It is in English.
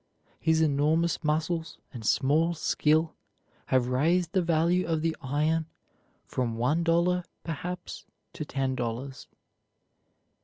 His enormous muscles and small skill have raised the value of the iron from one dollar, perhaps, to ten dollars.